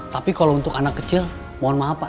tapi kalau untuk anak kecil mohon maaf pak